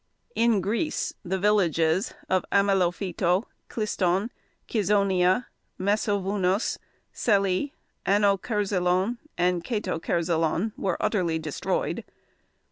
In Greece the villages of Amelofito, Kliston, Kizonia, Messovunos, Selli, Ano Kerzilion, and Kato Kerzilion were utterly destroyed.